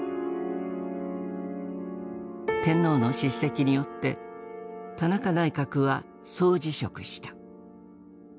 天皇の叱責によって田中内閣は総辞職した。